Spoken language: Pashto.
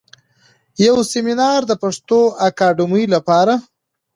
يو سمينار د پښتو اکاډمۍ لخوا